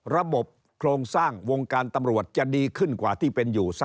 ระบบโครงตามันหูดีขึ้นน่ะ